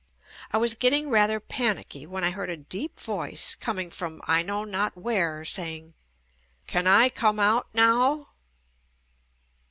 I was getting rather panicky when I heard a deep voice coming from I know not where saying, "Can I come out now?"